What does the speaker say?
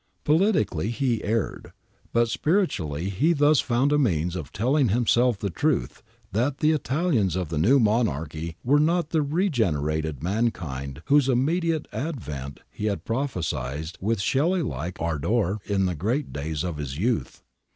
Politically he erred, but spiritually he thus found a means of telling himself the truth that the Italians of the new monarchy were not the regenerated mankind whose immediate advent he had prophesied with Shelley like ardour in the great days of his youth.